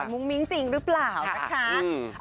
มุ้งมิ้งจริงหรือเปล่านะคะ